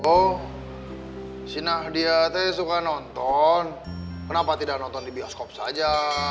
ko sina dia teh suka nonton kenapa tidak nonton di bioskop saja